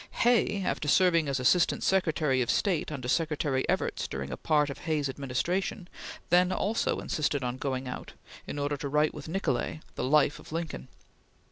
Hay, after serving as Assistant Secretary of State under Secretary Evarts during a part of Hayes's administration, then also insisted on going out, in order to write with Nicolay the "Life" of Lincoln.